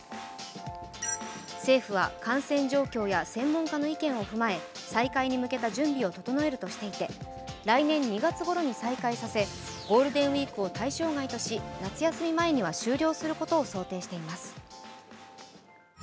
政府は感染状況や専門家の意見を踏まえ再開に向けた準備を整えるとしていて来年２月ごろに再開させ、ゴールデンウイークを対象外とし夏休み前には終了することを想定しています。